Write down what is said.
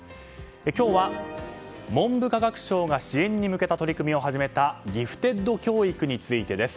今日は文部科学省が支援に向けた取り組みを始めたギフテッド教育についてです。